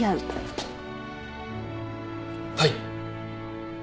はい！